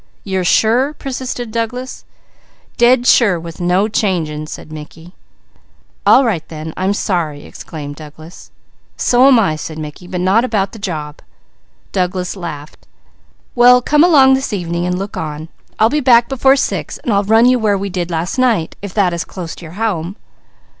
"You are sure?" persisted Douglas. "Dead sure with no changing," said Mickey. "All right then. I'm sorry!" exclaimed Douglas. "So am I," said Mickey. "But not about the job!" Douglas laughed. "Well come along this evening and look on. I'll be back before six and I'll run you where we did last night, if that is close your home."